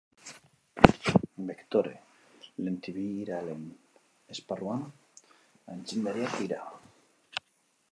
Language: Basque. Bektore lentibiralen esparruan aitzindariak dira.